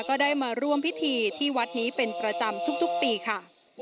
ก็ได้มาร่วมพิธีที่วัดนี้เป็นประจำทุกปีค่ะ